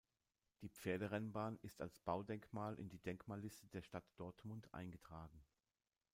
Die Pferderennbahn ist als Baudenkmal in die Denkmalliste der Stadt Dortmund eingetragen.